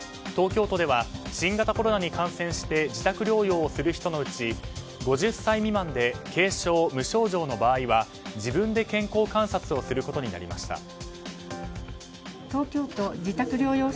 東京都では新型コロナに感染して自宅療養をする人のうち５０歳未満で軽症・無症状の場合は自分で健康観察をすることになりました。